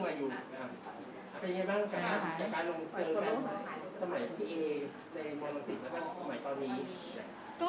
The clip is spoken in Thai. เป็นยังไงบ้างกับการลองเจอกัน